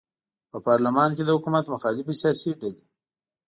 په پارلمان کې د حکومت مخالفې سیاسي ډلې